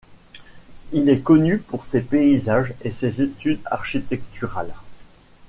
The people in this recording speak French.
Il est connu pour ses paysages et ses études architecturales.